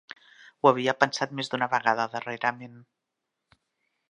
Ho havia pensat més d'una vegada, darrerament.